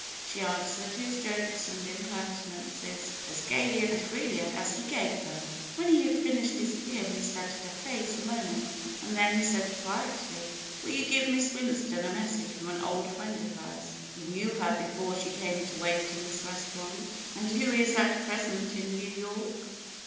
She answered his jokes and impertinences as gaily and freely as he gave them. When he had finished his meal he studied her face a moment and then said quietly: '^Will you give Miss Winston a message from an old friend of hers, who knew her before she came to wait in this restaurant, and who is at present in New York?"